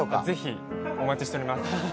ぜひお待ちしています。